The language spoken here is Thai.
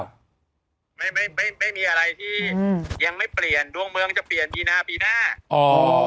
ไม่มีอะไรที่ยังไม่เปลี่ยนดวงเมืองจะเปลี่ยนปีหน้าปีหน้า